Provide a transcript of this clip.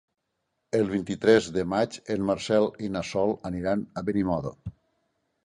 El vint-i-tres de maig en Marcel i na Sol aniran a Benimodo.